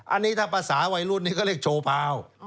อันนี้ถ้าภาษาวัยรุ่นนี้ก็เรียกโชว์พาว